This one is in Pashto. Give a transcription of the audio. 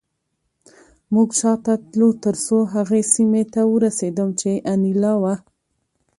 موږ شاته تلو ترڅو هغې سیمې ته ورسېدم چې انیلا وه